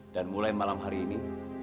dan mulai malam hari ini